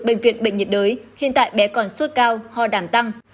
bệnh viện bệnh nhiệt đới hiện tại bé còn sốt cao ho đảm tăng